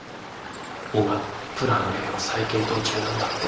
今プランＡを再検討中なんだって。